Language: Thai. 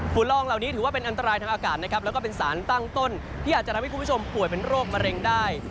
ลองเหล่านี้ถือว่าเป็นอันตรายทางอากาศนะครับแล้วก็เป็นสารตั้งต้นที่อาจจะทำให้คุณผู้ชมป่วยเป็นโรคมะเร็งได้